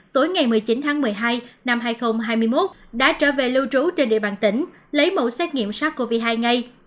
tối ngày một mươi chín tháng một mươi hai năm hai nghìn hai mươi một đã trở về lưu trú trên địa bàn tỉnh lấy mẫu xét nghiệm sars cov hai ngay